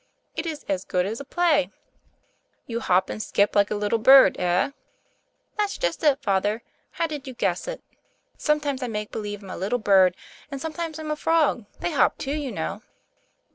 It is as good as a play." "You hop and skip like a little bird, eh?" "That's just it, Father; how did you guess it? Sometimes I make believe I'm a little bird, and sometimes I'm a frog; they hop, too, you know."